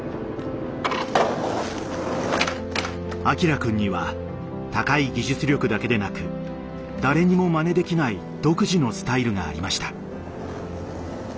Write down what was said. アキラくんには高い技術力だけでなく誰にもまねできない独自のスタイルがありました。